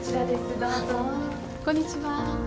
こんにちは。